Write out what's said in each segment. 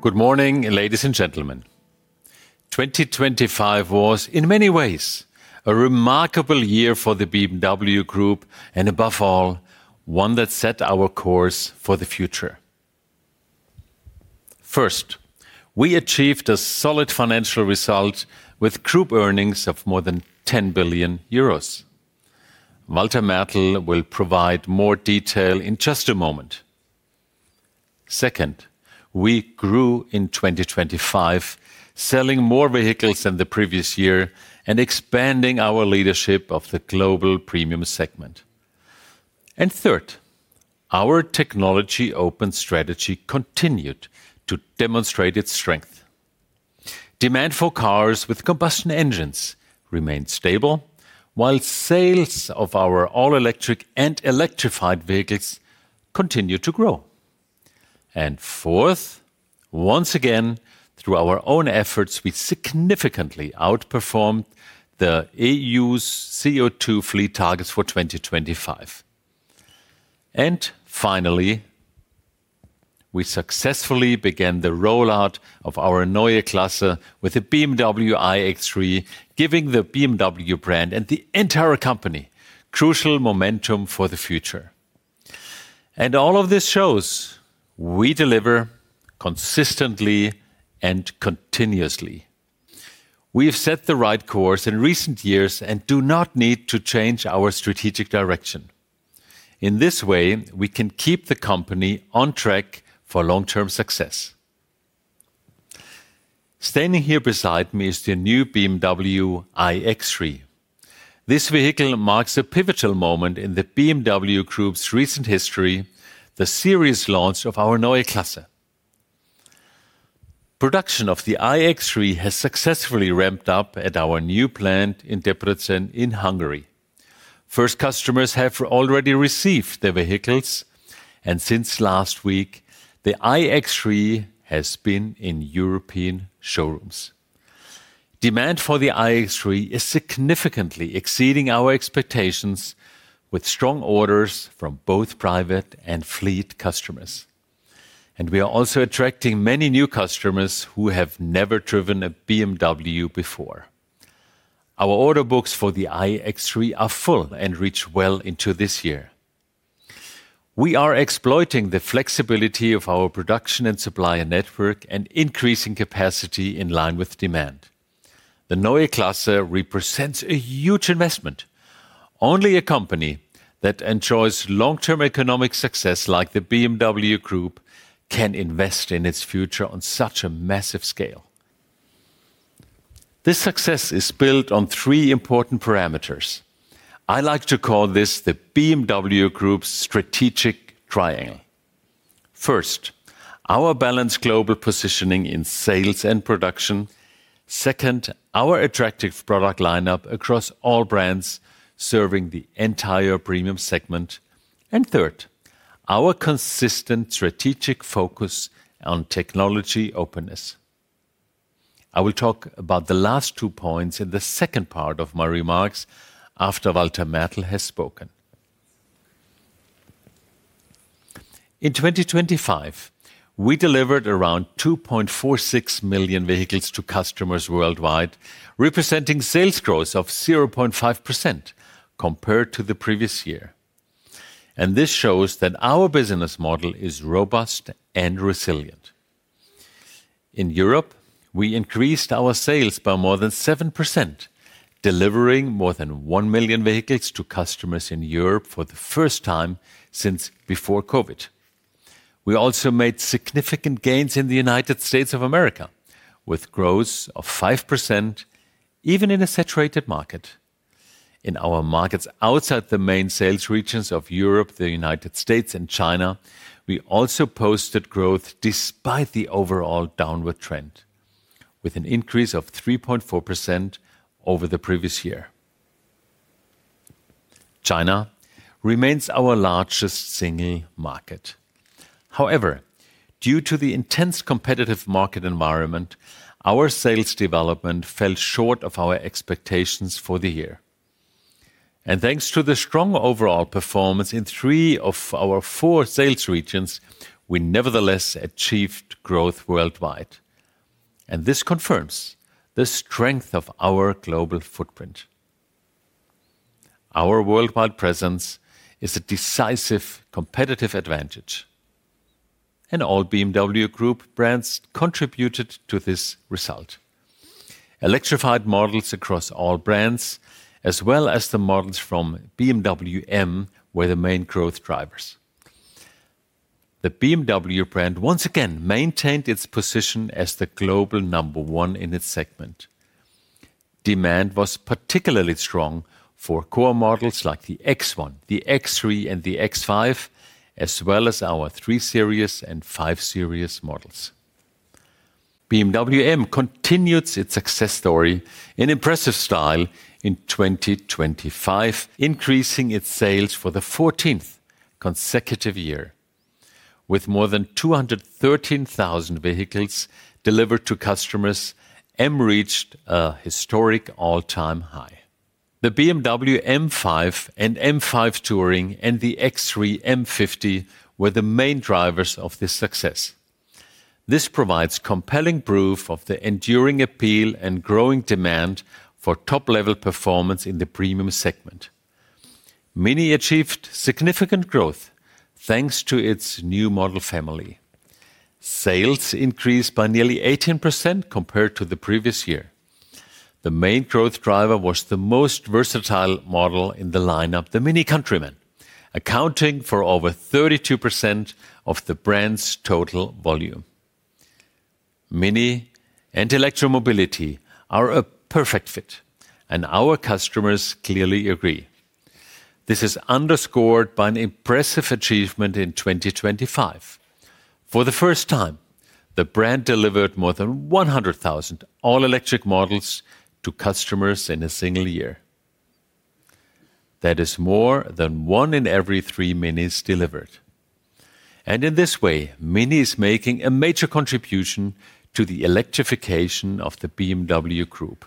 Good morning, ladies and gentlemen. 2025 was, in many ways, a remarkable year for the BMW Group and above all, one that set our course for the future. First, we achieved a solid financial result with group earnings of more than 10 billion euros. Walter Mertl will provide more detail in just a moment. Second, we grew in 2025, selling more vehicles than the previous year and expanding our leadership of the global premium segment. Third, our technology open strategy continued to demonstrate its strength. Demand for cars with combustion engines remained stable, while sales of our all-electric and electrified vehicles continued to grow. Fourth, once again, through our own efforts, we significantly outperformed the EU's CO₂ fleet targets for 2025. Finally, we successfully began the rollout of our Neue Klasse with a BMW iX3, giving the BMW brand and the entire company crucial momentum for the future. All of this shows we deliver consistently and continuously. We have set the right course in recent years and do not need to change our strategic direction. In this way, we can keep the company on track for long-term success. Standing here beside me is the new BMW iX3. This vehicle marks a pivotal moment in the BMW Group's recent history, the series launch of our Neue Klasse. Production of the iX3 has successfully ramped up at our new plant in Debrecen in Hungary. First customers have already received their vehicles, and since last week, the iX3 has been in European showrooms. Demand for the iX3 is significantly exceeding our expectations with strong orders from both private and fleet customers. We are also attracting many new customers who have never driven a BMW before. Our order books for the iX3 are full and reach well into this year. We are exploiting the flexibility of our production and supplier network and increasing capacity in line with demand. The Neue Klasse represents a huge investment. Only a company that enjoys long-term economic success like the BMW Group can invest in its future on such a massive scale. This success is built on three important parameters. I like to call this the BMW Group's strategic triangle. First, our balanced global positioning in sales and production. Second, our attractive product lineup across all brands serving the entire premium segment. And third, our consistent strategic focus on technology openness. I will talk about the last two points in the second part of my remarks after Walter Mertl has spoken. In 2025, we delivered around 2.46 million vehicles to customers worldwide, representing sales growth of 0.5% compared to the previous year. This shows that our business model is robust and resilient. In Europe, we increased our sales by more than 7%, delivering more than 1 million vehicles to customers in Europe for the first time since before COVID. We also made significant gains in the United States of America with growth of 5%, even in a saturated market. In our markets outside the main sales regions of Europe, the United States, and China, we also posted growth despite the overall downward trend with an increase of 3.4% over the previous year. China remains our largest single market. However, due to the intense competitive market environment, our sales development fell short of our expectations for the year. Thanks to the strong overall performance in three of our four sales regions, we nevertheless achieved growth worldwide, and this confirms the strength of our global footprint. Our worldwide presence is a decisive competitive advantage, and all BMW Group brands contributed to this result. Electrified models across all brands, as well as the models from BMW M, were the main growth drivers. The BMW brand once again maintained its position as the global number one in its segment. Demand was particularly strong for core models like the X1, the X3, and the X5, as well as our 3 Series and 5 Series models. BMW M continued its success story in impressive style in 2025, increasing its sales for the fourteenth consecutive year. With more than 213,000 vehicles delivered to customers, BMW M reached a historic all-time high. The BMW M5 and M5 Touring and the X3 M50 were the main drivers of this success. This provides compelling proof of the enduring appeal and growing demand for top-level performance in the premium segment. MINI achieved significant growth thanks to its new model family. Sales increased by nearly 18% compared to the previous year. The main growth driver was the most versatile model in the lineup, the MINI Countryman, accounting for over 32% of the brand's total volume. MINI and electric mobility are a perfect fit, and our customers clearly agree. This is underscored by an impressive achievement in 2025. For the first time, the brand delivered more than 100,000 all-electric models to customers in a single year. That is more than one in every three MINIs delivered. In this way, MINI is making a major contribution to the electrification of the BMW Group.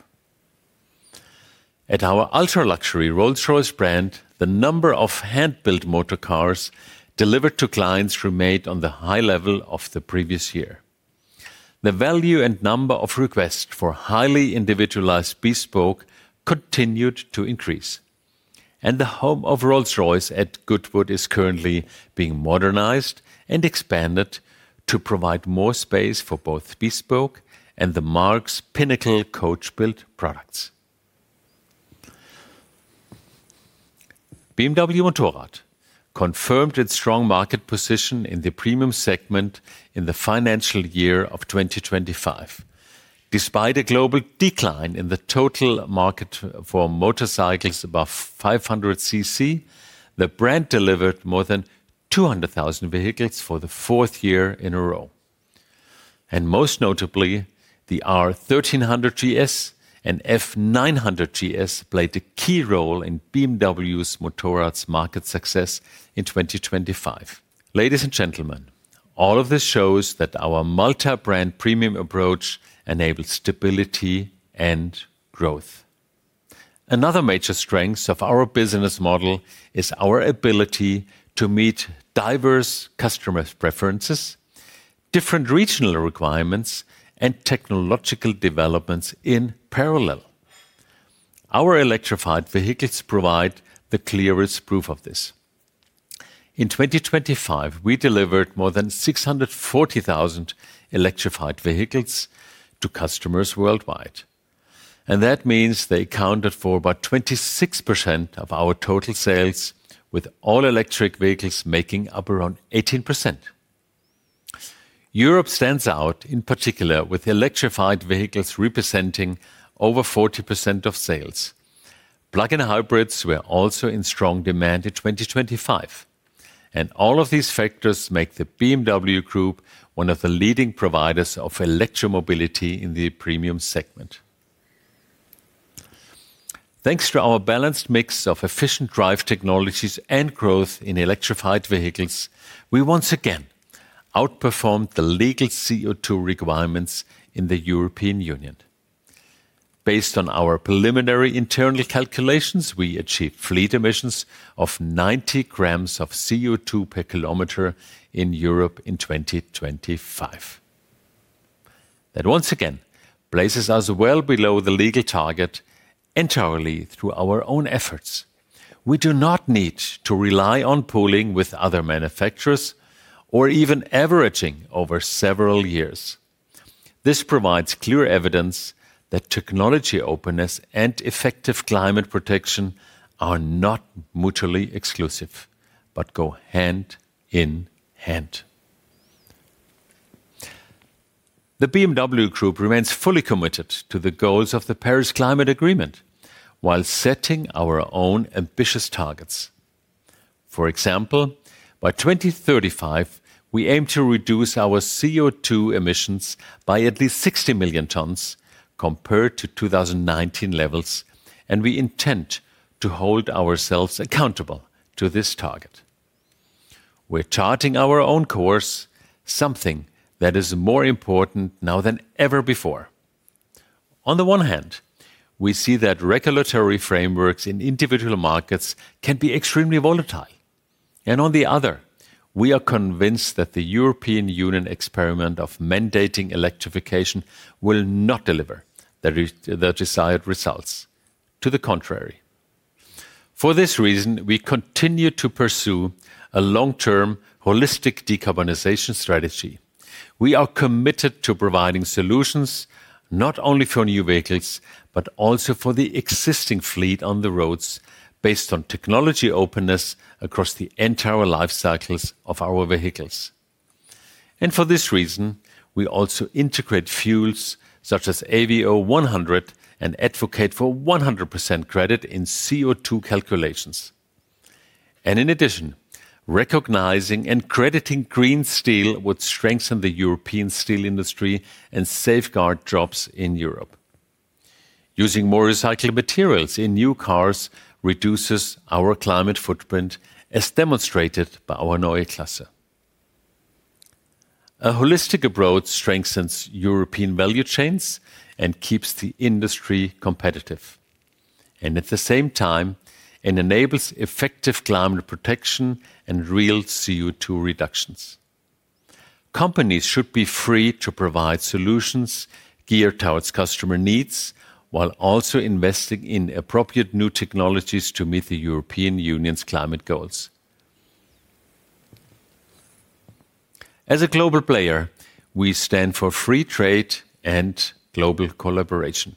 At our ultra-luxury Rolls-Royce brand, the number of hand-built motor cars delivered to clients remained on the high level of the previous year. The value and number of requests for highly individualized bespoke continued to increase, and the home of Rolls-Royce at Goodwood is currently being modernized and expanded to provide more space for both bespoke and the marque's pinnacle coach-built products. BMW Motorrad confirmed its strong market position in the premium segment in the financial year of 2025. Despite a global decline in the total market for motorcycles above 500 cc, the brand delivered more than 200,000 vehicles for the fourth year in a row. Most notably, the R 1300 GS and F 900 GS played a key role in BMW Motorrad's market success in 2025. Ladies and gentlemen, all of this shows that our multi-brand premium approach enables stability and growth. Another major strength of our business model is our ability to meet diverse customers' preferences, different regional requirements, and technological developments in parallel. Our electrified vehicles provide the clearest proof of this. In 2025, we delivered more than 640,000 electrified vehicles to customers worldwide, and that means they accounted for about 26% of our total sales, with all-electric vehicles making up around 18%. Europe stands out, in particular, with electrified vehicles representing over 40% of sales. Plug-in hybrids were also in strong demand in 2025, and all of these factors make the BMW Group one of the leading providers of electric mobility in the premium segment. Thanks to our balanced mix of efficient drive technologies and growth in electrified vehicles, we once again outperformed the legal CO₂ requirements in the European Union. Based on our preliminary internal calculations, we achieved fleet emissions of 90 g of CO₂ per km in Europe in 2025. That once again places us well below the legal target entirely through our own efforts. We do not need to rely on pooling with other manufacturers or even averaging over several years. This provides clear evidence that technology openness and effective climate protection are not mutually exclusive, but go hand in hand. The BMW Group remains fully committed to the goals of the Paris Agreement while setting our own ambitious targets. For example, by 2035, we aim to reduce our CO₂ emissions by at least 60 million tons compared to 2019 levels, and we intend to hold ourselves accountable to this target. We're charting our own course, something that is more important now than ever before. On the one hand, we see that regulatory frameworks in individual markets can be extremely volatile. On the other, we are convinced that the European Union experiment of mandating electrification will not deliver the desired results to the contrary. For this reason, we continue to pursue a long-term holistic decarbonization strategy. We are committed to providing solutions not only for new vehicles, but also for the existing fleet on the roads based on technology openness across the entire life cycles of our vehicles. For this reason, we also integrate fuels such as HVO 100 and advocate for 100% credit in CO₂ calculations. In addition, recognizing and crediting green steel would strengthen the European steel industry and safeguard jobs in Europe. Using more recycled materials in new cars reduces our climate footprint, as demonstrated by our Neue Klasse. A holistic approach strengthens European value chains and keeps the industry competitive. At the same time, it enables effective climate protection and real CO₂ reductions. Companies should be free to provide solutions geared toward customer needs while also investing in appropriate new technologies to meet the European Union's climate goals. As a global player, we stand for free trade and global collaboration.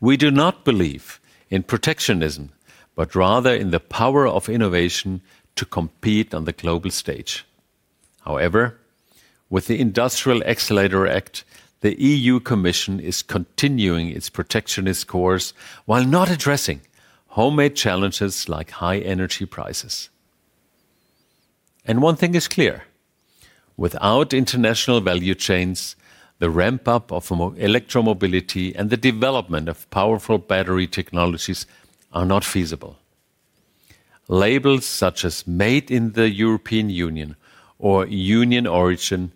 We do not believe in protectionism, but rather in the power of innovation to compete on the global stage. However, with the Industrial Accelerator Act, the European Commission is continuing its protectionist course while not addressing homemade challenges like high energy prices. One thing is clear, without international value chains, the ramp-up of electromobility and the development of powerful battery technologies are not feasible. Labels such as Made in the European Union or Union Origin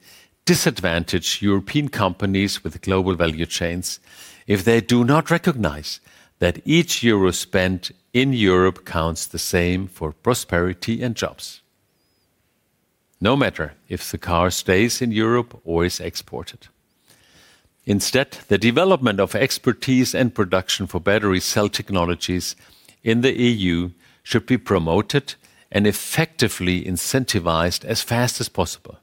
disadvantage European companies with global value chains if they do not recognize that each euro spent in Europe counts the same for prosperity and jobs, no matter if the car stays in Europe or is exported. Instead, the development of expertise and production for battery cell technologies in the EU should be promoted and effectively incentivized as fast as possible.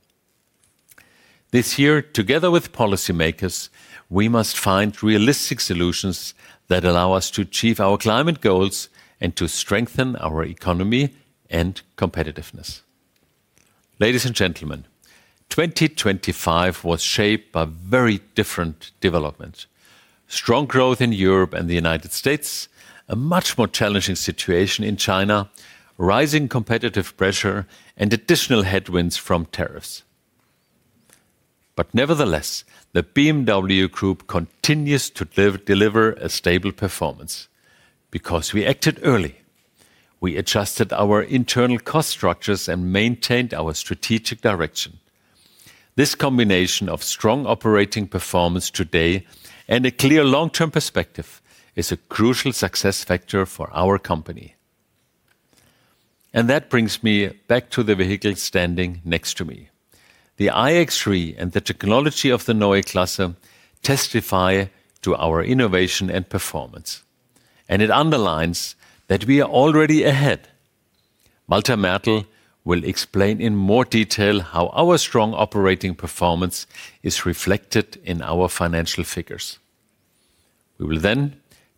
This year, together with policymakers, we must find realistic solutions that allow us to achieve our climate goals and to strengthen our economy and competitiveness. Ladies and gentlemen, 2025 was shaped by very different developments. Strong growth in Europe and the United States, a much more challenging situation in China, rising competitive pressure, and additional headwinds from tariffs. Nevertheless, the BMW Group continues to deliver a stable performance because we acted early. We adjusted our internal cost structures and maintained our strategic direction. This combination of strong operating performance today and a clear long-term perspective is a crucial success factor for our company. That brings me back to the vehicle standing next to me. The iX3 and the technology of the Neue Klasse testify to our innovation and performance, and it underlines that we are already ahead. Walter Mertl will explain in more detail how our strong operating performance is reflected in our financial figures. We will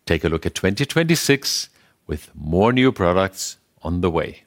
take a look at 2026 with more new products on the way.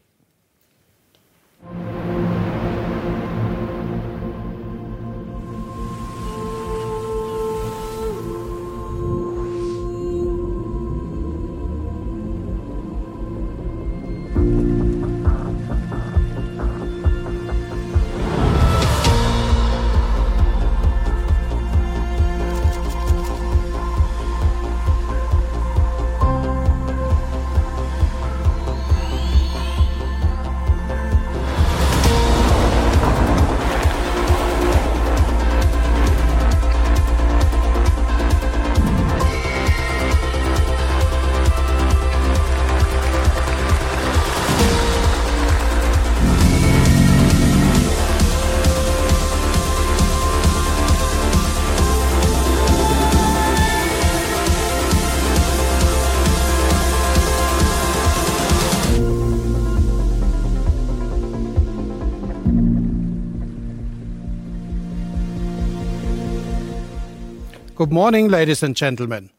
Good morning, ladies and gentlemen.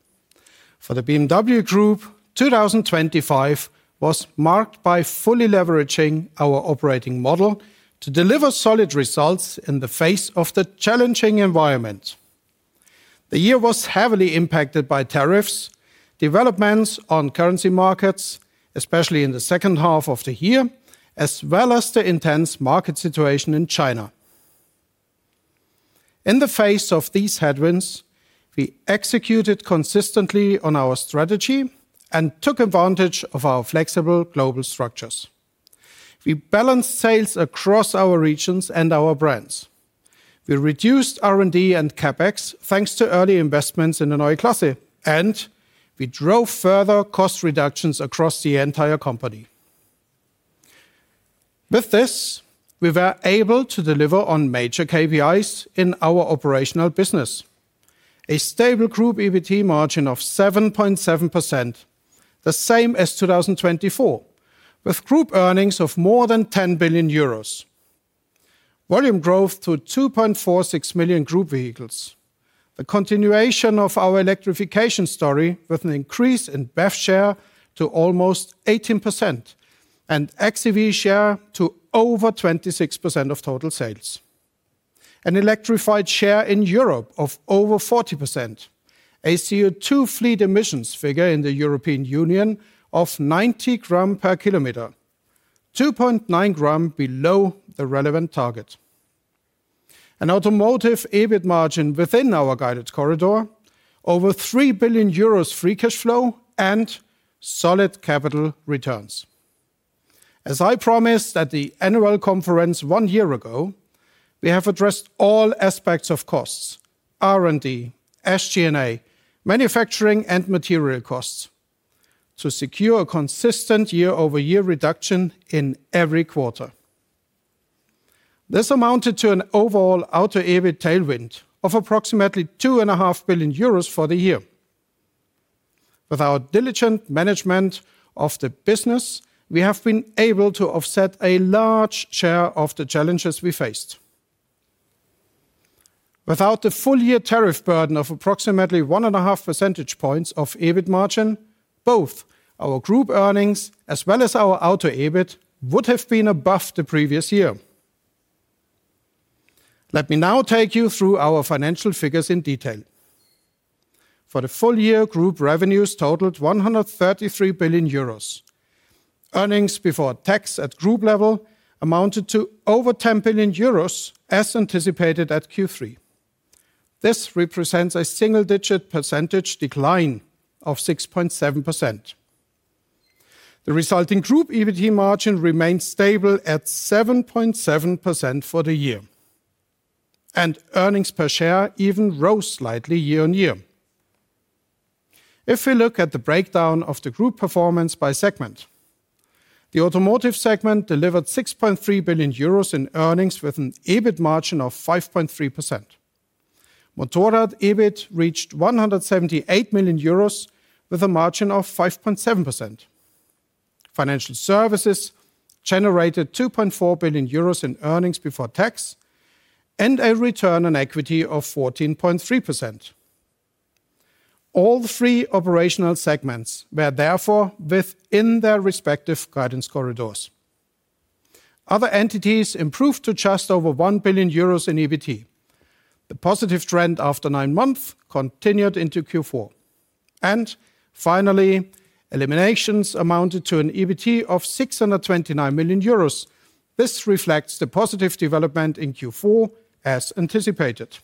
For the BMW Group, 2025 was marked by fully leveraging our operating model to deliver solid results in the face of the challenging environment. The year was heavily impacted by tariffs, developments on currency markets, especially in the second half of the year, as well as the intense market situation in China. In the face of these headwinds, we executed consistently on our strategy and took advantage of our flexible global structures. We balanced sales across our regions and our brands. We reduced R&D and CapEx, thanks to early investments in the Neue Klasse, and we drove further cost reductions across the entire company. With this, we were able to deliver on major KPIs in our operational business. A stable group EBT margin of 7.7%, the same as 2024, with group earnings of more than 10 billion euros. Volume growth to 2.46 million group vehicles. The continuation of our electrification story with an increase in BEV share to almost 18% and XEV share to over 26% of total sales. An electrified share in Europe of over 40%. A CO₂ fleet emissions figure in the European Union of 90 g per km, 2.9 g below the relevant target. An automotive EBIT margin within our guided corridor, over 3 billion euros free cash flow, and solid capital returns. As I promised at the annual conference one year ago, we have addressed all aspects of costs, R&D, SG&A, manufacturing and material costs, to secure a consistent year-over-year reduction in every quarter. This amounted to an overall auto EBIT tailwind of approximately 2.5 billion euros for the year. With our diligent management of the business, we have been able to offset a large share of the challenges we faced. Without the full year tariff burden of approximately 1.5 percentage points of EBIT margin, both our group earnings as well as our auto EBIT would have been above the previous year. Let me now take you through our financial figures in detail. For the full year, group revenues totaled 133 billion euros. Earnings before tax at group level amounted to over 10 billion euros as anticipated at Q3. This represents a single-digit percentage decline of 6.7%. The resulting group EBIT margin remained stable at 7.7% for the year. Earnings per share even rose slightly year-on-year. If we look at the breakdown of the group performance by segment, the automotive segment delivered 6.3 billion euros in earnings with an EBIT margin of 5.3%. Motorrad EBIT reached 178 million euros with a margin of 5.7%. Financial services generated 2.4 billion euros in earnings before tax and a return on equity of 14.3%. All three operational segments were therefore within their respective guidance corridors. Other entities improved to just over 1 billion euros in EBIT. The positive trend after nine months continued into Q4. Finally, eliminations amounted to an EBIT of 629 million euros. This reflects the positive development in Q4 as anticipated.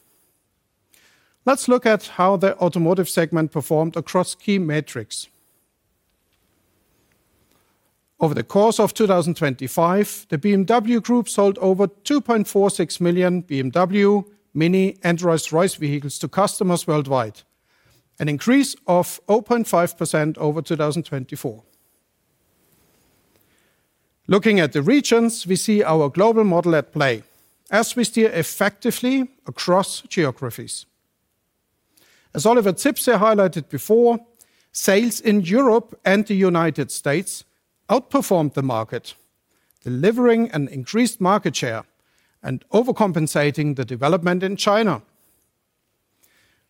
Let's look at how the automotive segment performed across key metrics. Over the course of 2025, the BMW Group sold over 2.46 million BMW, MINI and Rolls-Royce vehicles to customers worldwide, an increase of 0.5% over 2024. Looking at the regions, we see our global model at play as we steer effectively across geographies. As Oliver Zipse highlighted before, sales in Europe and the United States outperformed the market, delivering an increased market share and overcompensating the development in China.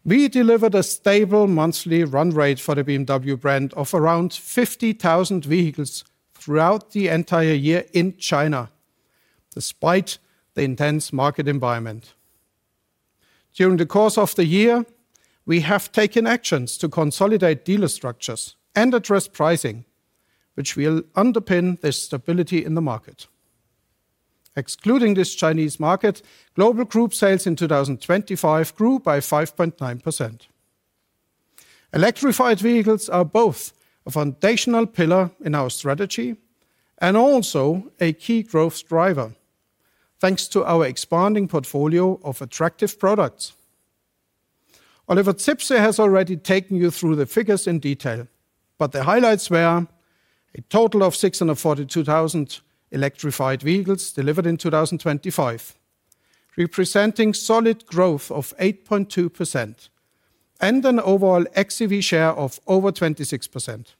We delivered a stable monthly run rate for the BMW brand of around 50,000 vehicles throughout the entire year in China, despite the intense market environment. During the course of the year, we have taken actions to consolidate dealer structures and address pricing, which will underpin the stability in the market. Excluding this Chinese market, global group sales in 2025 grew by 5.9%. Electrified vehicles are both a foundational pillar in our strategy and also a key growth driver, thanks to our expanding portfolio of attractive products. Oliver Zipse has already taken you through the figures in detail, but the highlights were a total of 642,000 electrified vehicles delivered in 2025, representing solid growth of 8.2% and an overall XEV share of over 26%.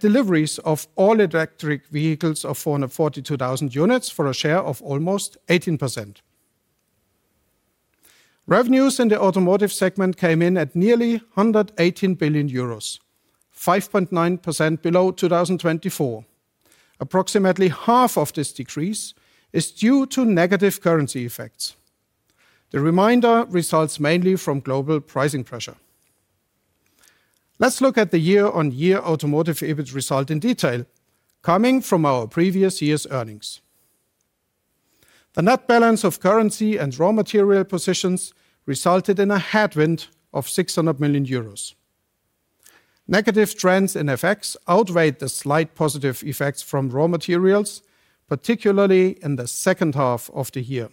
Deliveries of all-electric vehicles of 442,000 units for a share of almost 18%. Revenues in the automotive segment came in at nearly 118 billion euros, 5.9% below 2024. Approximately half of this decrease is due to negative currency effects. The remainder results mainly from global pricing pressure. Let's look at the year-on-year automotive EBIT result in detail, coming from our previous year's earnings. The net balance of currency and raw material positions resulted in a headwind of 600 million euros. Negative trends in FX outweighed the slight positive effects from raw materials, particularly in the second half of the year.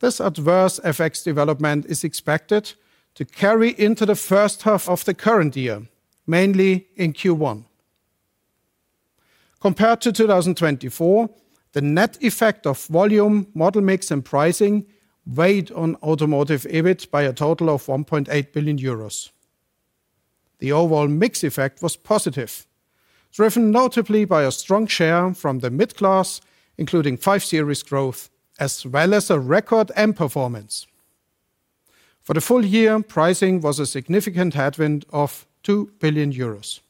This adverse FX development is expected to carry into the first half of the current year, mainly in Q1. Compared to 2024, the net effect of volume, model mix and pricing weighed on automotive EBIT by a total of 1.8 billion euros. The overall mix effect was positive, driven notably by a strong share from the mid-class, including 5 Series growth, as well as a record M performance. For the full year, pricing was a significant headwind of 2 billion euros.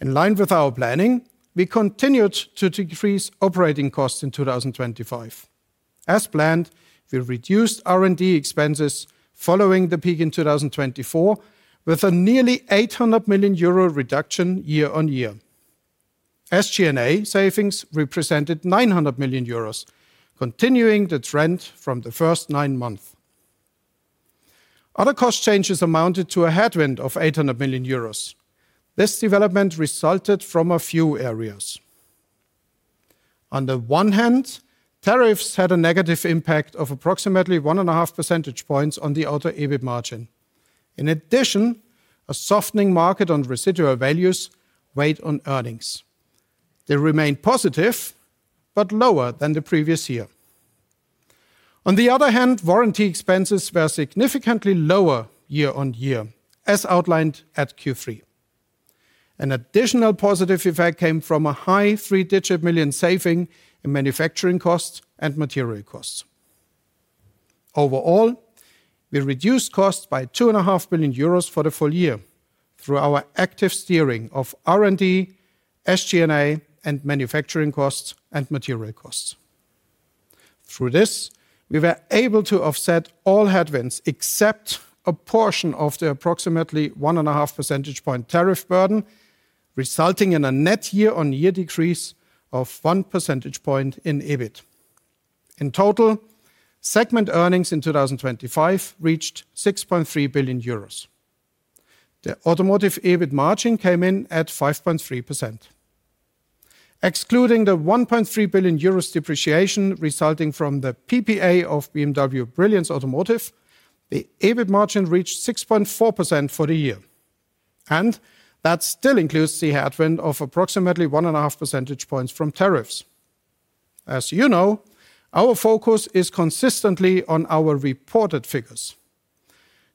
In line with our planning, we continued to decrease operating costs in 2025. As planned, we reduced R&D expenses following the peak in 2024, with a nearly 800 million euro reduction year on year. SG&A savings represented 900 million euros, continuing the trend from the first nine months. Other cost changes amounted to a headwind of 800 million euros. This development resulted from a few areas. On the one hand, tariffs had a negative impact of approximately 1.5 percentage points on the auto EBIT margin. In addition, a softening market on residual values weighed on earnings. They remained positive, but lower than the previous year. On the other hand, warranty expenses were significantly lower year on year, as outlined at Q3. An additional positive effect came from a high three-digit million saving in manufacturing costs and material costs. Overall, we reduced costs by 2.5 Billion euros for the full year through our active steering of R&D, SG&A, and manufacturing costs and material costs. Through this, we were able to offset all headwinds except a portion of the approximately 1.5 percentage point tariff burden, resulting in a net year-on-year decrease of 1 percentage point in EBIT. In total, segment earnings in 2025 reached 6.3 billion euros. The automotive EBIT margin came in at 5.3%. Excluding the 1.3 billion euros depreciation resulting from the PPA of BMW Brilliance Automotive, the EBIT margin reached 6.4% for the year, and that still includes the headwind of approximately 1.5 percentage points from tariffs. As you know, our focus is consistently on our reported figures.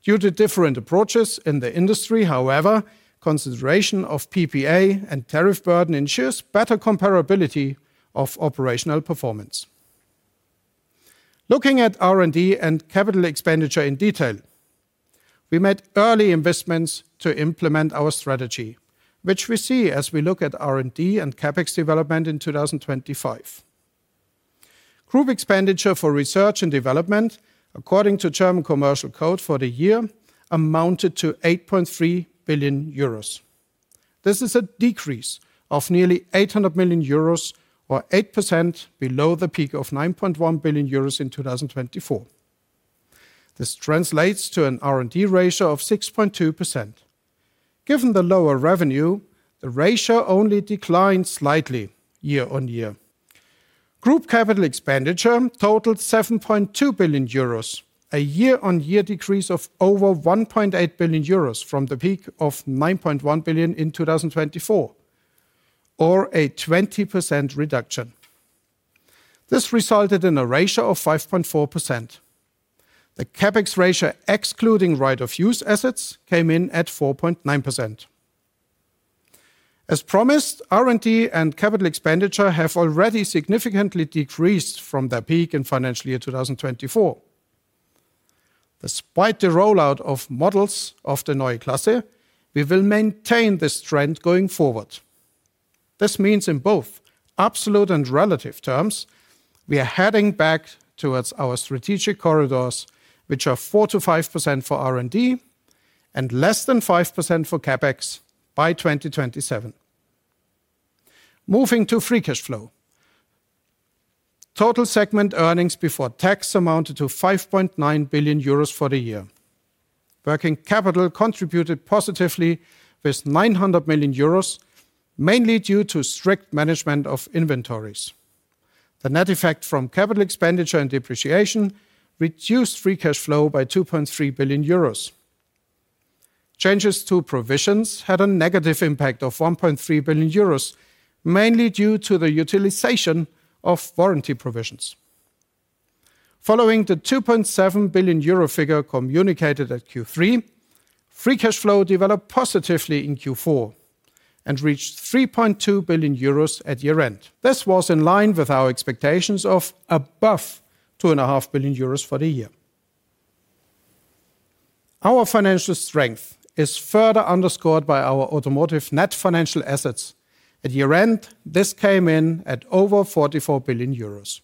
Due to different approaches in the industry, however, consideration of PPA and tariff burden ensures better comparability of operational performance. Looking at R&D and capital expenditure in detail, we made early investments to implement our strategy, which we see as we look at R&D and CapEx development in 2025. Group expenditure for research and development, according to German Commercial Code for the year, amounted to 8.3 billion euros. This is a decrease of nearly 800 million euros or 8% below the peak of 9.1 billion euros in 2024. This translates to an R&D ratio of 6.2%. Given the lower revenue, the ratio only declined slightly year-on-year. Group capital expenditure totaled 7.2 billion euros, a year-on-year decrease of over 1.8 billion euros from the peak of 9.1 billion in 2024, or a 20% reduction. This resulted in a ratio of 5.4%. The CapEx ratio, excluding right-of-use assets, came in at 4.9%. As promised, R&D and capital expenditure have already significantly decreased from their peak in financial year 2024. Despite the rollout of models of the Neue Klasse, we will maintain this trend going forward. This means in both absolute and relative terms, we are heading back towards our strategic corridors, which are 4%-5% for R&D and less than 5% for CapEx by 2027. Moving to free cash flow. Total segment earnings before tax amounted to 5.9 billion euros for the year. Working capital contributed positively with 900 million euros, mainly due to strict management of inventories. The net effect from capital expenditure and depreciation reduced free cash flow by 2.3 billion euros. Changes to provisions had a negative impact of 1.3 billion euros, mainly due to the utilization of warranty provisions. Following the 2.7 billion euro figure communicated at Q3, free cash flow developed positively in Q4 and reached 3.2 billion euros at year-end. This was in line with our expectations of above 2.5 billion euros for the year. Our financial strength is further underscored by our automotive net financial assets. At year-end, this came in at over 44 billion euros.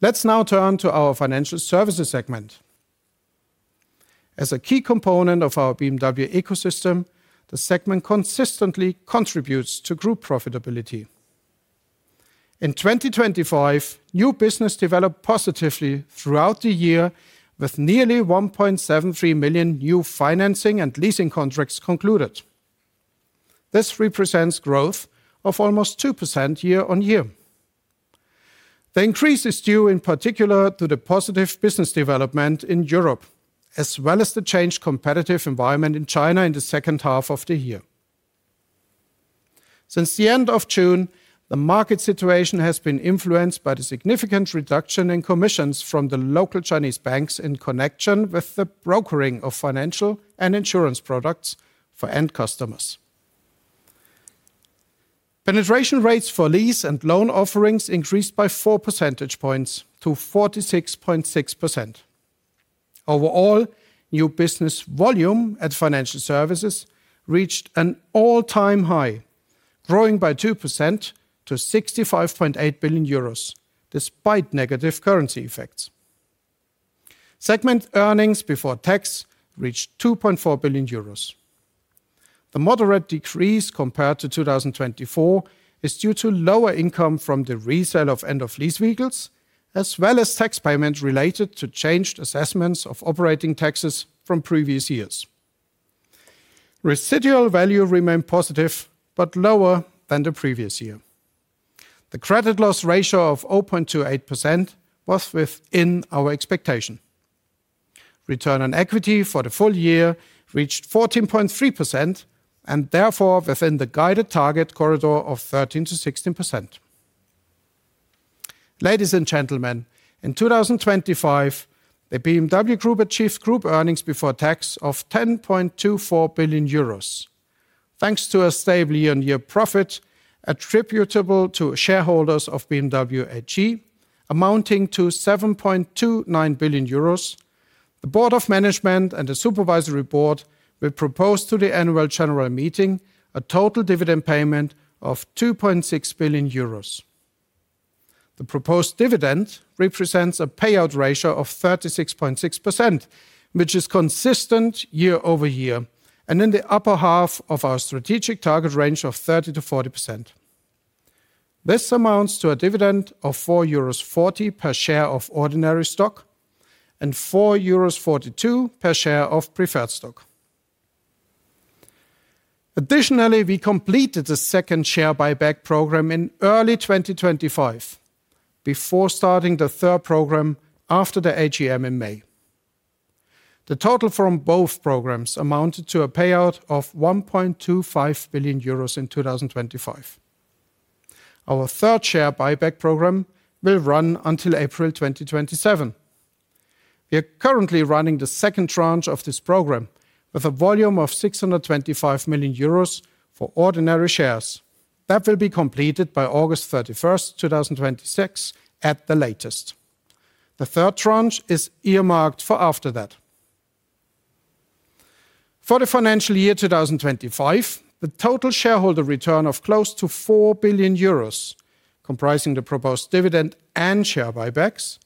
Let's now turn to our financial services segment. As a key component of our BMW ecosystem, the segment consistently contributes to group profitability. In 2025, new business developed positively throughout the year with nearly 1.73 million new financing and leasing contracts concluded. This represents growth of almost 2% year-on-year. The increase is due in particular to the positive business development in Europe, as well as the changed competitive environment in China in the second half of the year. Since the end of June, the market situation has been influenced by the significant reduction in commissions from the local Chinese banks in connection with the brokering of financial and insurance products for end customers. Penetration rates for lease and loan offerings increased by 4 percentage points to 46.6%. Overall, new business volume at financial services reached an all-time high, growing by 2% to 65.8 billion euros despite negative currency effects. Segment earnings before tax reached 2.4 billion euros. The moderate decrease compared to 2024 is due to lower income from the resale of end-of-lease vehicles, as well as tax payments related to changed assessments of operating taxes from previous years. Residual value remained positive, but lower than the previous year. The credit loss ratio of 0.28% was within our expectation. Return on equity for the full year reached 14.3% and therefore within the guided target corridor of 13%-16%. Ladies and gentlemen, in 2025, the BMW Group achieved group earnings before tax of 10.24 billion euros. Thanks to a stable year-on-year profit attributable to shareholders of BMW AG amounting to 7.29 billion euros. The Board of Management and the Supervisory Board will propose to the Annual General Meeting a total dividend payment of 2.6 billion euros. The proposed dividend represents a payout ratio of 36.6%, which is consistent year-over-year and in the upper half of our strategic target range of 30%-40%. This amounts to a dividend of 4.40 euros per share of ordinary stock and 4.42 euros per share of preferred stock. Additionally, we completed the second share buyback program in early 2025, before starting the third program after the AGM in May. The total from both programs amounted to a payout of 1.25 billion euros in 2025. Our third share buyback program will run until April 2027. We are currently running the second tranche of this program with a volume of 625 million euros for ordinary shares. That will be completed by August 31st, 2026, at the latest. The third tranche is earmarked for after that. For the financial year 2025, the total shareholder return of close to 4 billion euros, comprising the proposed dividend and share buybacks,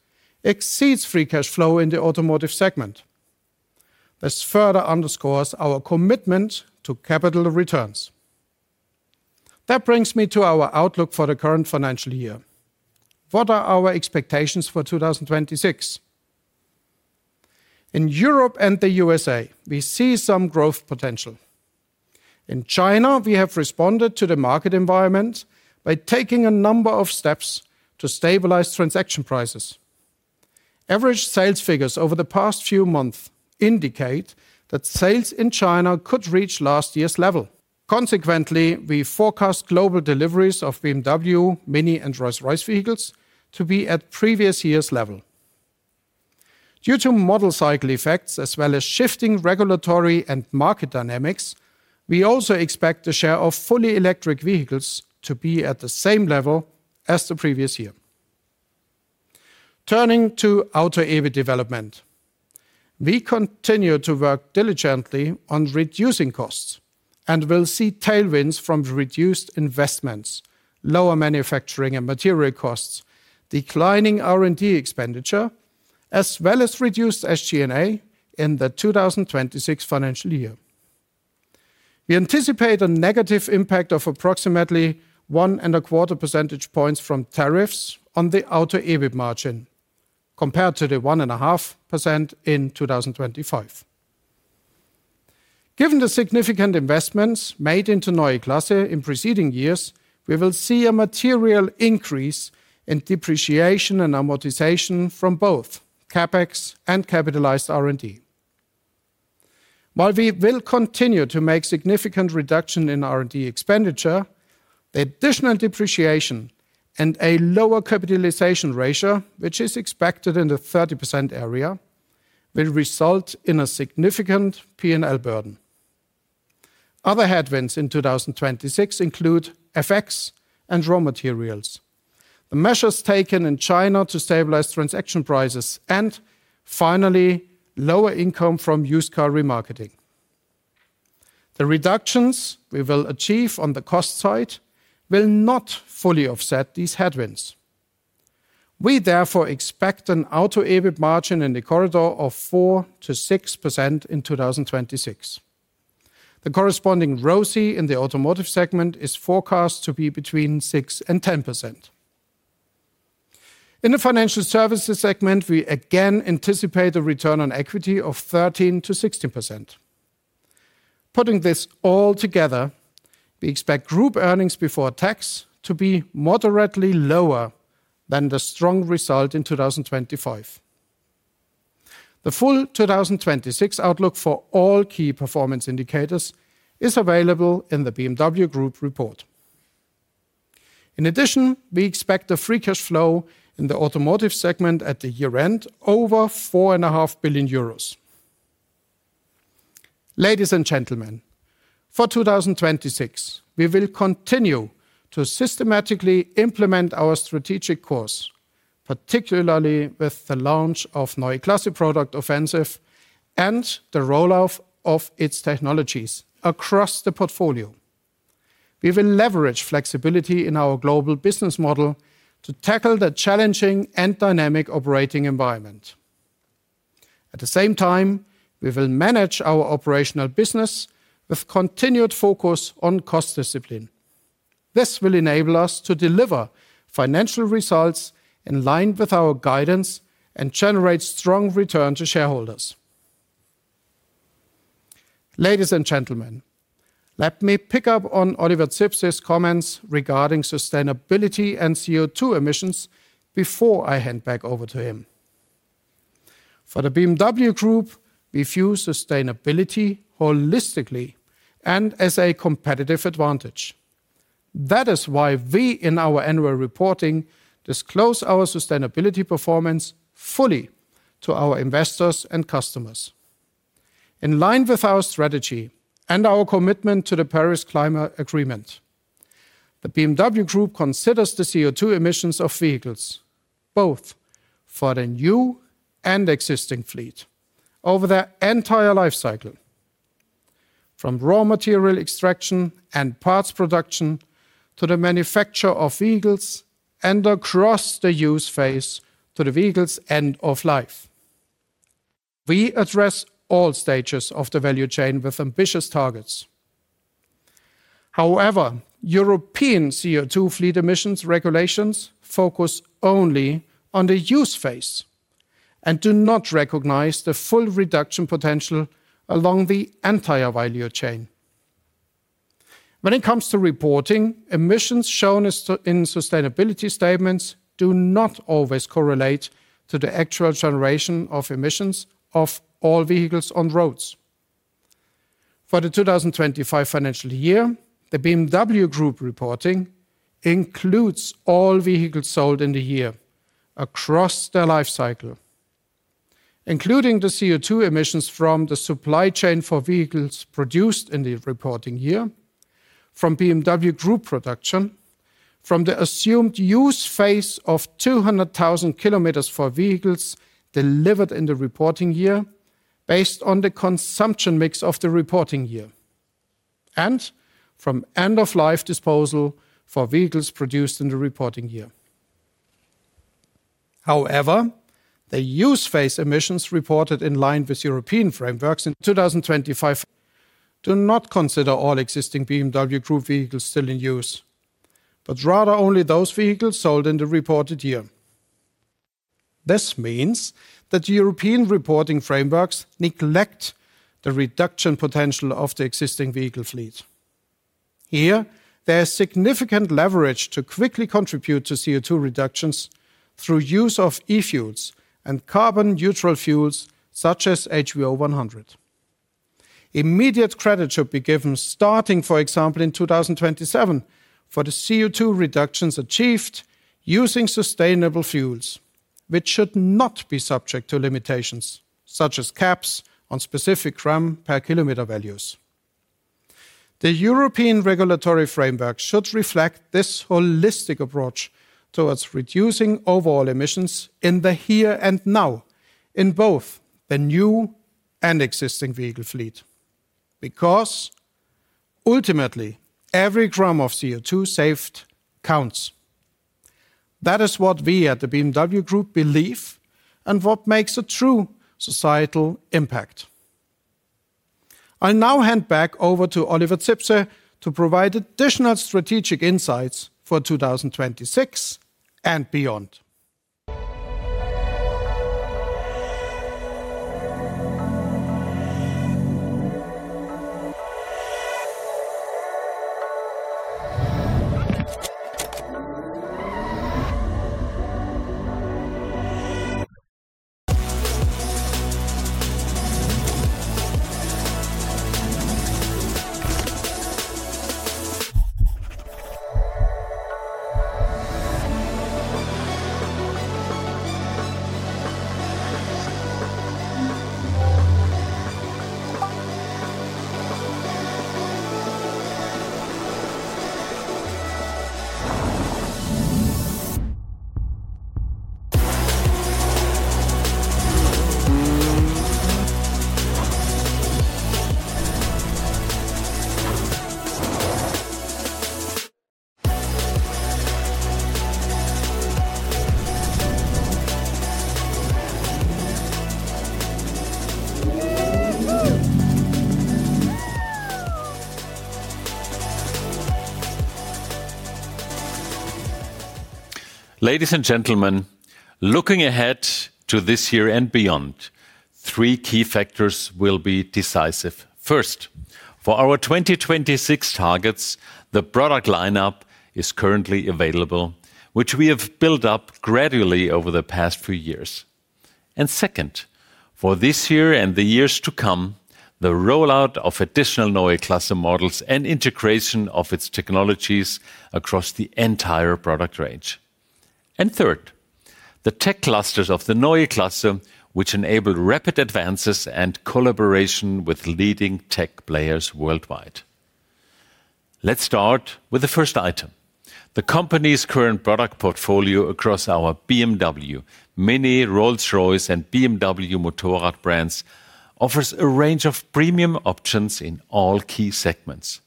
exceeds free cash flow in the automotive segment. This further underscores our commitment to capital returns. That brings me to our outlook for the current financial year. What are our expectations for 2026? In Europe and the USA, we see some growth potential. In China, we have responded to the market environment by taking a number of steps to stabilize transaction prices. Average sales figures over the past few months indicate that sales in China could reach last year's level. Consequently, we forecast global deliveries of BMW, MINI, and Rolls-Royce vehicles to be at previous year's level. Due to model cycle effects as well as shifting regulatory and market dynamics, we also expect the share of fully electric vehicles to be at the same level as the previous year. Turning to auto EBIT development, we continue to work diligently on reducing costs and will see tailwinds from reduced investments, lower manufacturing and material costs, declining R&D expenditure, as well as reduced SG&A in the 2026 financial year. We anticipate a negative impact of approximately 1.25 percentage points from tariffs on the auto EBIT margin compared to the 1.5% in 2025. Given the significant investments made into Neue Klasse in preceding years, we will see a material increase in depreciation and amortization from both CapEx and capitalized R&D. While we will continue to make significant reduction in R&D expenditure, the additional depreciation and a lower capitalization ratio, which is expected in the 30% area, will result in a significant P&L burden. Other headwinds in 2026 include FX and raw materials, the measures taken in China to stabilize transaction prices, and finally, lower income from used car remarketing. The reductions we will achieve on the cost side will not fully offset these headwinds. We therefore expect an auto EBIT margin in the corridor of 4%-6% in 2026. The corresponding ROCE in the automotive segment is forecast to be between 6%-10%. In the financial services segment, we again anticipate a return on equity of 13%-16%. Putting this all together, we expect group earnings before tax to be moderately lower than the strong result in 2025. The full 2026 outlook for all key performance indicators is available in the BMW Group Report. In addition, we expect the free cash flow in the automotive segment at the year-end over 4.5 billion euros. Ladies and gentlemen, for 2026, we will continue to systematically implement our strategic course, particularly with the launch of Neue Klasse product offensive and the roll out of its technologies across the portfolio. We will leverage flexibility in our global business model to tackle the challenging and dynamic operating environment. At the same time, we will manage our operational business with continued focus on cost discipline. This will enable us to deliver financial results in line with our guidance and generate strong return to shareholders. Ladies and gentlemen, let me pick up on Oliver Zipse's comments regarding sustainability and CO₂ emissions before I hand back over to him. For the BMW Group, we view sustainability holistically and as a competitive advantage. That is why we, in our annual reporting, disclose our sustainability performance fully to our investors and customers. In line with our strategy and our commitment to the Paris Agreement, the BMW Group considers the CO2 emissions of vehicles both for the new and existing fleet over their entire life cycle, from raw material extraction and parts production to the manufacture of vehicles and across the use phase to the vehicle's end of life. We address all stages of the value chain with ambitious targets. However, European CO2 fleet emissions regulations focus only on the use phase and do not recognize the full reduction potential along the entire value chain. When it comes to reporting, emissions shown in sustainability statements do not always correlate to the actual generation of emissions of all vehicles on roads. For the 2025 financial year, the BMW Group reporting includes all vehicles sold in the year across their life cycle, including the CO₂ emissions from the supply chain for vehicles produced in the reporting year from BMW Group production, from the assumed use phase of 200,000 km for vehicles delivered in the reporting year based on the consumption mix of the reporting year, and from end-of-life disposal for vehicles produced in the reporting year. However, the use phase emissions reported in line with European frameworks in 2025 do not consider all existing BMW Group vehicles still in use, but rather only those vehicles sold in the reported year. This means that European reporting frameworks neglect the reduction potential of the existing vehicle fleet. Here, there is significant leverage to quickly contribute to CO₂ reductions through use of e-fuels and carbon-neutral fuels such as HVO 100. Immediate credit should be given starting, for example, in 2027 for the CO₂ reductions achieved using sustainable fuels, which should not be subject to limitations such as caps on specific gram per km values. The European regulatory framework should reflect this holistic approach towards reducing overall emissions in the here and now in both the new and existing vehicle fleet, because ultimately every gram of CO₂ saved counts. That is what we at the BMW Group believe and what makes a true societal impact. I now hand back over to Oliver Zipse to provide additional strategic insights for 2026 and beyond. Ladies and gentlemen, looking ahead to this year and beyond, three key factors will be decisive. First, for our 2026 targets, the product lineup is currently available, which we have built up gradually over the past few years. Second, for this year and the years to come, the rollout of additional Neue Klasse models and integration of its technologies across the entire product range. Third, the tech clusters of the Neue Klasse which enable rapid advances and collaboration with leading tech players worldwide. Let's start with the first item. The company's current product portfolio across our BMW, MINI, Rolls-Royce, and BMW Motorrad brands offers a range of premium options in all key segments.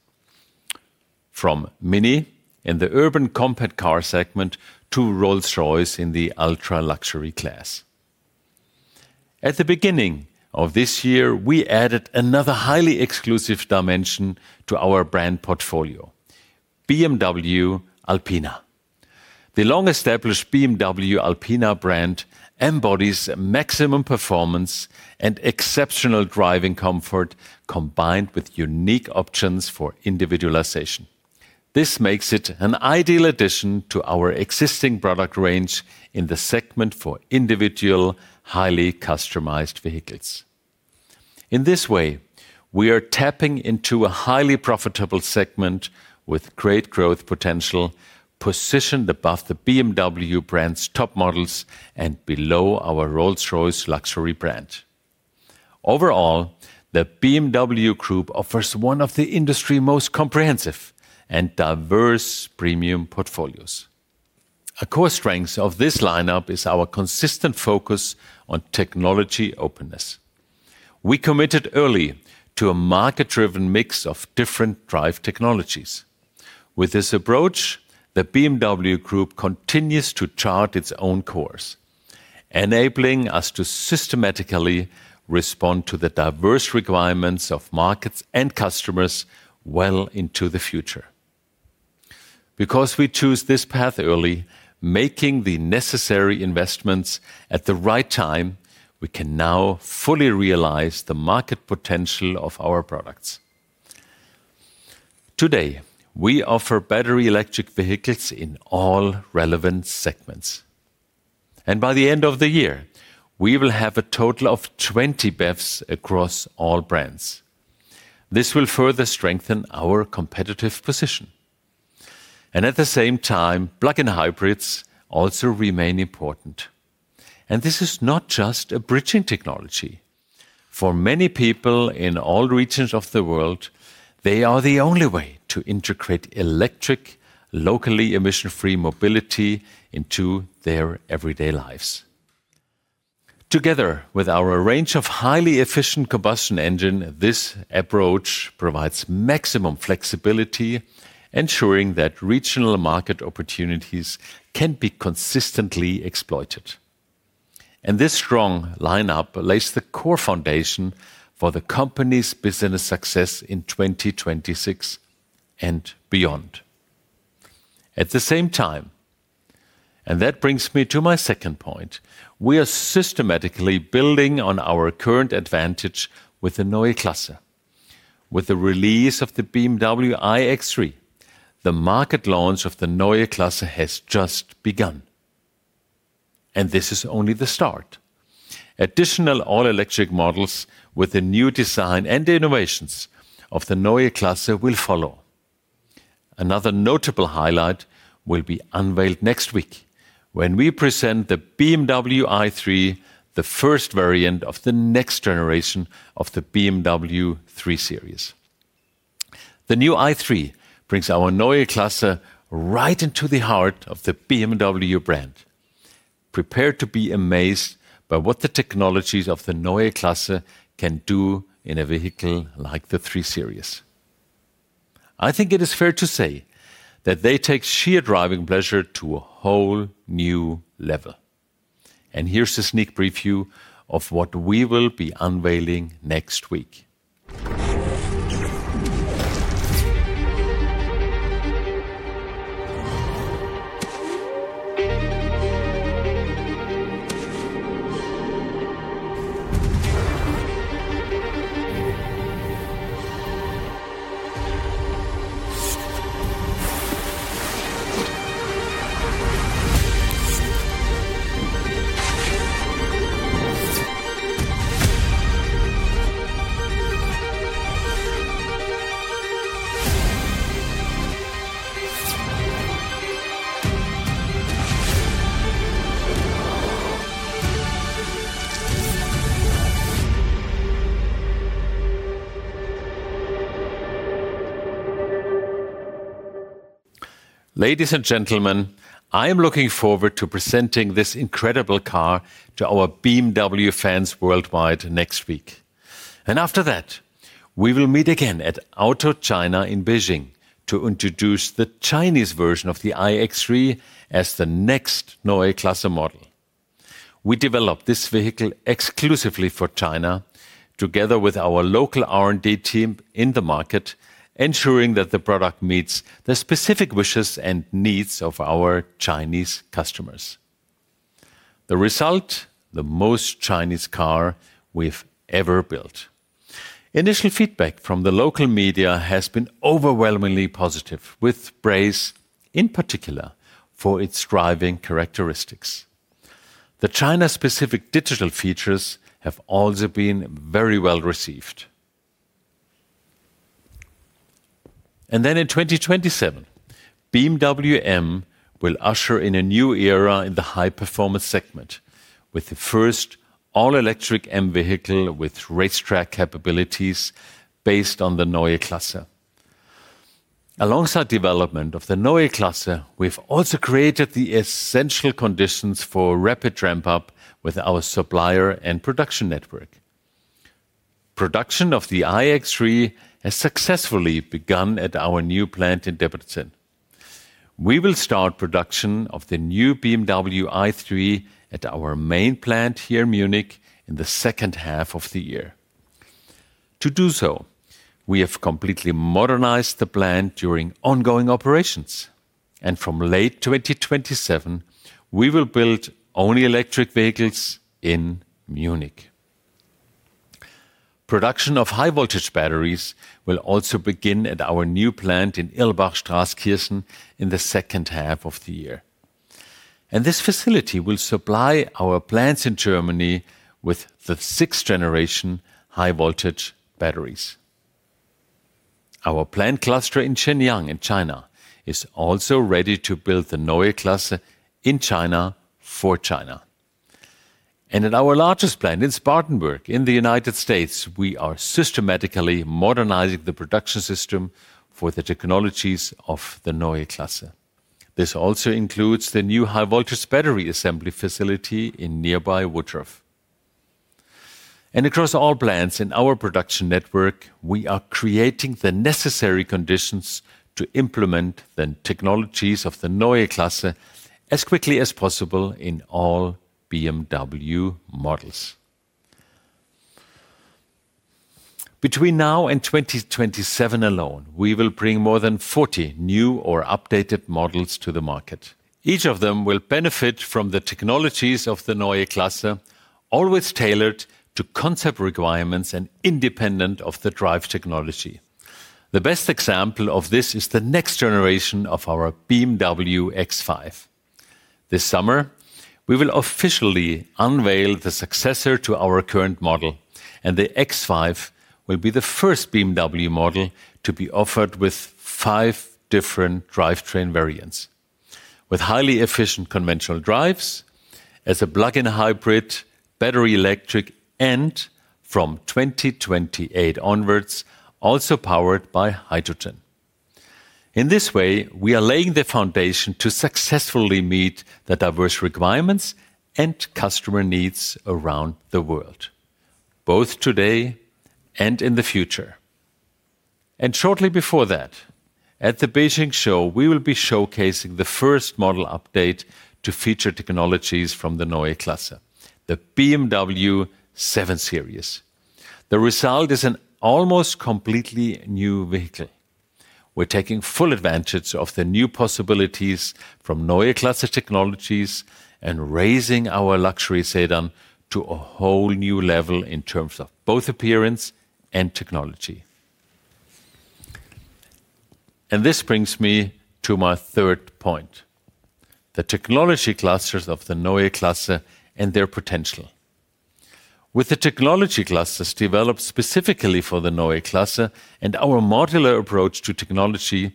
From MINI in the urban compact car segment to Rolls-Royce in the ultra-luxury class. At the beginning of this year, we added another highly exclusive dimension to our brand portfolio, BMW Alpina. The long-established BMW Alpina brand embodies maximum performance and exceptional driving comfort, combined with unique options for individualization. This makes it an ideal addition to our existing product range in the segment for individual, highly customized vehicles. In this way, we are tapping into a highly profitable segment with great growth potential positioned above the BMW brand's top models and below our Rolls-Royce luxury brand. Overall, the BMW Group offers one of the industry's most comprehensive and diverse premium portfolios. A core strength of this lineup is our consistent focus on technology openness. We committed early to a market-driven mix of different drive technologies. With this approach, the BMW Group continues to chart its own course, enabling us to systematically respond to the diverse requirements of markets and customers well into the future. Because we choose this path early, making the necessary investments at the right time, we can now fully realize the market potential of our products. Today, we offer battery electric vehicles in all relevant segments, and by the end of the year, we will have a total of 20 BEVs across all brands. This will further strengthen our competitive position. At the same time, plug-in hybrids also remain important. This is not just a bridging technology. For many people in all regions of the world, they are the only way to integrate electric, locally emission-free mobility into their everyday lives. Together with our range of highly efficient combustion engine, this approach provides maximum flexibility, ensuring that regional market opportunities can be consistently exploited. This strong lineup lays the core foundation for the company's business success in 2026 and beyond. At the same time, and that brings me to my second point, we are systematically building on our current advantage with the Neue Klasse. With the release of the BMW iX3, the market launch of the Neue Klasse has just begun, and this is only the start. Additional all-electric models with the new design and innovations of the Neue Klasse will follow. Another notable highlight will be unveiled next week when we present the BMW i3, the first variant of the next generation of the BMW 3 Series. The new i3 brings our Neue Klasse right into the heart of the BMW brand. Prepare to be amazed by what the technologies of the Neue Klasse can do in a vehicle like the 3 Series. I think it is fair to say that they take sheer driving pleasure to a whole new level. Here's a sneak preview of what we will be unveiling next week. Ladies and gentlemen, I am looking forward to presenting this incredible car to our BMW fans worldwide next week. After that, we will meet again at Auto China in Beijing to introduce the Chinese version of the iX3 as the next Neue Klasse model. We developed this vehicle exclusively for China together with our local R&D team in the market, ensuring that the product meets the specific wishes and needs of our Chinese customers. The result, the most Chinese car we've ever built. Initial feedback from the local media has been overwhelmingly positive with praise, in particular, for its driving characteristics. The China-specific digital features have also been very well received. In 2027, BMW M will usher in a new era in the high-performance segment with the first all-electric M vehicle with racetrack capabilities based on the Neue Klasse. Alongside development of the Neue Klasse, we've also created the essential conditions for rapid ramp-up with our supplier and production network. Production of the iX3 has successfully begun at our new plant in Debrecen. We will start production of the new BMW i3 at our main plant here in Munich in the second half of the year. To do so, we have completely modernized the plant during ongoing operations. From late 2027, we will build only electric vehicles in Munich. Production of high-voltage batteries will also begin at our new plant in Irlbach-Straßkirchen in the second half of the year. This facility will supply our plants in Germany with the sixth-generation high-voltage batteries. Our plant cluster in Shenyang in China is also ready to build the Neue Klasse in China for China. At our largest plant in Spartanburg in the United States, we are systematically modernizing the production system for the technologies of the Neue Klasse. This also includes the new high-voltage battery assembly facility in nearby Woodruff. Across all plants in our production network, we are creating the necessary conditions to implement the technologies of the Neue Klasse as quickly as possible in all BMW models. Between now and 2027 alone, we will bring more than 40 new or updated models to the market. Each of them will benefit from the technologies of the Neue Klasse, always tailored to concept requirements and independent of the drive technology. The best example of this is the next generation of our BMW X5. This summer, we will officially unveil the successor to our current model, and the X5 will be the first BMW model to be offered with five different drivetrain variants, with highly efficient conventional drives as a plug-in hybrid, battery electric, and from 2028 onwards, also powered by hydrogen. In this way, we are laying the foundation to successfully meet the diverse requirements and customer needs around the world, both today and in the future. Shortly before that, at the Auto China, we will be showcasing the first model update to feature technologies from the Neue Klasse, the BMW 7 Series. The result is an almost completely new vehicle. We're taking full advantage of the new possibilities from Neue Klasse technologies and raising our luxury sedan to a whole new level in terms of both appearance and technology. This brings me to my third point, the technology clusters of the Neue Klasse and their potential. With the technology clusters developed specifically for the Neue Klasse and our modular approach to technology,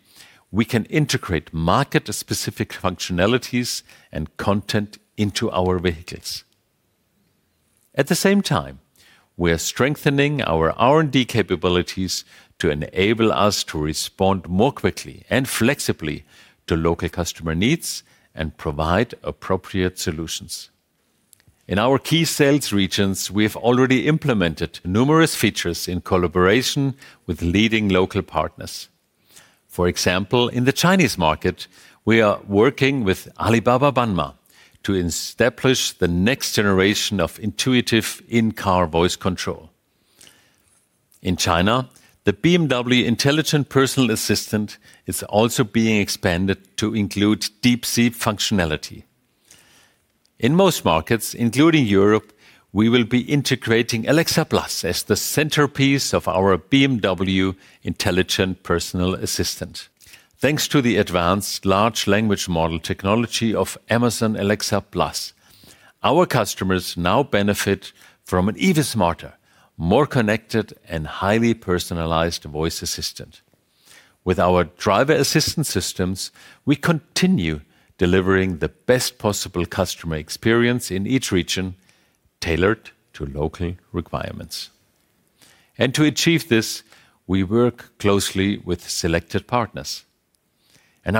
we can integrate market-specific functionalities and content into our vehicles. At the same time, we are strengthening our R&D capabilities to enable us to respond more quickly and flexibly to local customer needs and provide appropriate solutions. In our key sales regions, we have already implemented numerous features in collaboration with leading local partners. For example, in the Chinese market, we are working with Alibaba Banma to establish the next generation of intuitive in-car voice control. In China, the BMW Intelligent Personal Assistant is also being expanded to include DeepSeek functionality. In most markets, including Europe, we will be integrating Alexa+ as the centerpiece of our BMW Intelligent Personal Assistant. Thanks to the advanced large language model technology of Amazon Alexa+, our customers now benefit from an even smarter, more connected, and highly personalized voice assistant. With our driver assistance systems, we continue delivering the best possible customer experience in each region tailored to local requirements. To achieve this, we work closely with selected partners.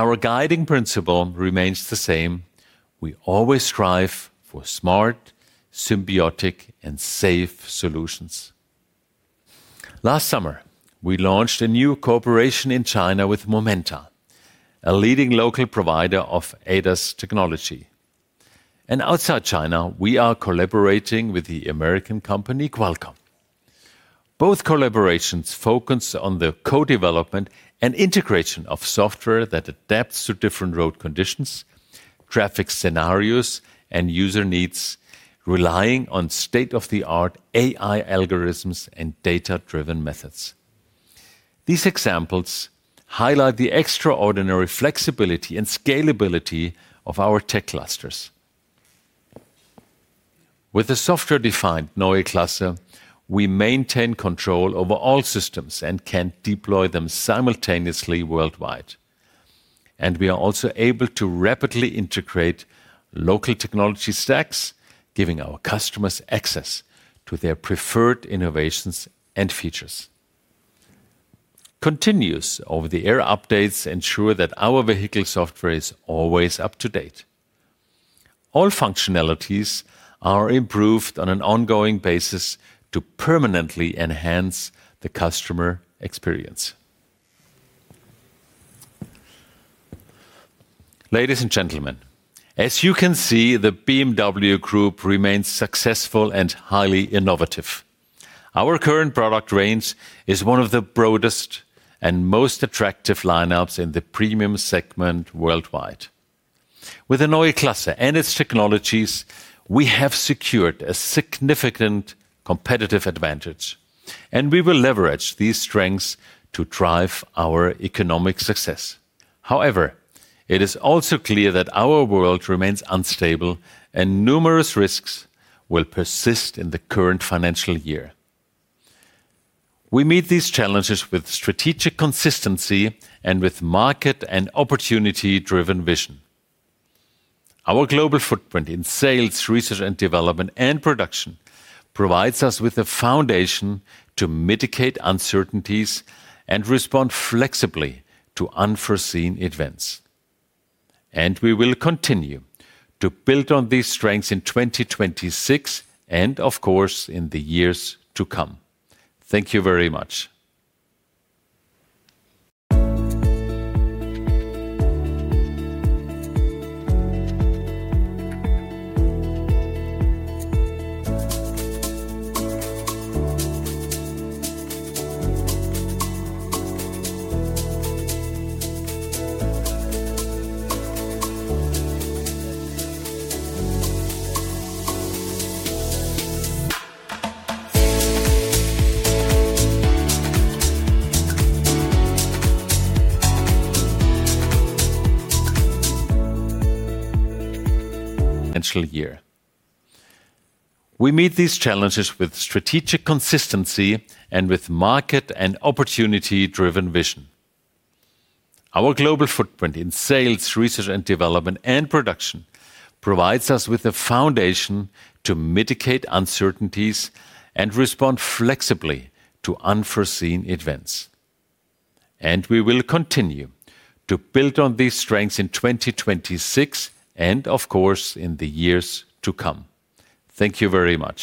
Our guiding principle remains the same. We always strive for smart, symbiotic, and safe solutions. Last summer, we launched a new cooperation in China with Momenta, a leading local provider of ADAS technology. Outside China, we are collaborating with the American company Qualcomm. Both collaborations focus on the co-development and integration of software that adapts to different road conditions, traffic scenarios, and user needs, relying on state-of-the-art AI algorithms and data-driven methods. These examples highlight the extraordinary flexibility and scalability of our tech clusters. With the software-defined Neue Klasse, we maintain control over all systems and can deploy them simultaneously worldwide. We are also able to rapidly integrate local technology stacks, giving our customers access to their preferred innovations and features. Continuous over-the-air updates ensure that our vehicle software is always up to date. All functionalities are improved on an ongoing basis to permanently enhance the customer experience. Ladies and gentlemen, as you can see, the BMW Group remains successful and highly innovative. Our current product range is one of the broadest and most attractive lineups in the premium segment worldwide. With the Neue Klasse and its technologies, we have secured a significant competitive advantage, and we will leverage these strengths to drive our economic success. However, it is also clear that our world remains unstable and numerous risks will persist in the current financial year. We meet these challenges with strategic consistency and with market and opportunity-driven vision. Our global footprint in sales, research and development, and production provides us with a foundation to mitigate uncertainties and respond flexibly to unforeseen events. We will continue to build on these strengths in 2026 and, of course, in the years to come. Thank you very much.